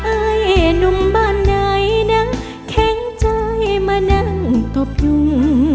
ไอ้หนุ่มบ้านไหนนั้นแข็งใจมานั่งตบยุง